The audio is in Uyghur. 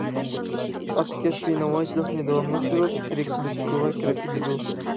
ئاتا كەسپى ناۋايچىلىقنى داۋاملاشتۇرۇپ، تىرىكچىلىك كويىغا كېرىپ كېتىدۇ.